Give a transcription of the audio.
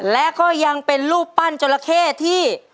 และก็ยังเป็นรูปปั้นจราเข้ที่